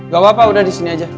gapapa udah disini aja